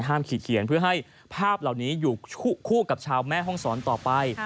ขีดเขียนเพื่อให้ภาพเหล่านี้อยู่คู่กับชาวแม่ห้องศรต่อไป